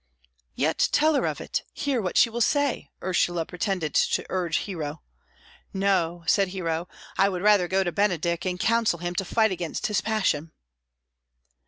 "Yet tell her of it; hear what she will say," Ursula pretended to urge Hero. "No," said Hero, "I would rather go to Benedick and counsel him to fight against his passion."